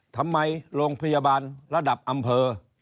ทำไมโรงพยาบาลระดับอำเภอ